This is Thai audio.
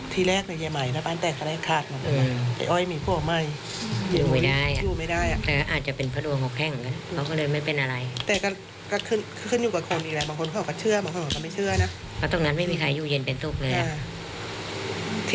แต่เข้ามาไม่เชื่อนะตรงนั้นไม่มีใครอยู่เย็นเป็นตุกเลย